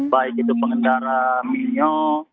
baik itu pengendara minyo